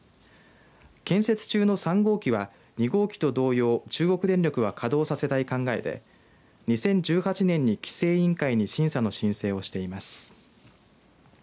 建設中の３号機は２号機と同様、中国電力は稼働させたい考えで２０１８年に規制委員会に審査の申請をしています。